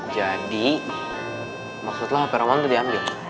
jadi maksud lo hp roman tuh diambil